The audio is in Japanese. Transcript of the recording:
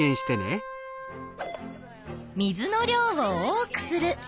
「水の量を多くする」